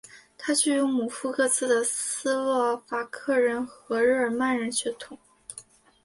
他具有母父各自的斯洛伐克人和日耳曼人血统。